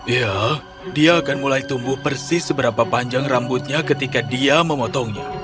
ya dia akan mulai tumbuh persis seberapa panjang rambutnya ketika dia memotongnya